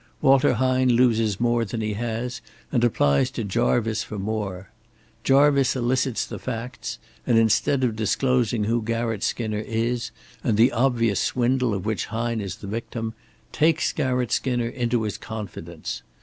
Walter Hine loses more than he has and applies to Jarvice for more. Jarvice elicits the facts, and instead of disclosing who Garratt Skinner is, and the obvious swindle of which Hine is the victim, takes Garratt Skinner into his confidence.